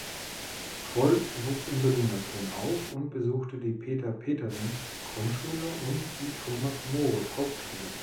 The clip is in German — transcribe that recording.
Kroll wuchs in Berlin-Neukölln auf und besuchte die Peter-Petersen-Grundschule und die Thomas-Morus-Hauptschule.